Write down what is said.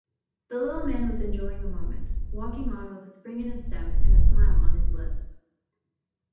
The little man was enjoying the moment, walking on with a spring in his step and a smile on his lips.